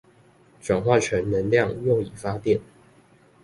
轉化成能量用以發電